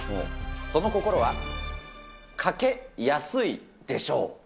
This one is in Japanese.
その心は、かけ安いでしょう。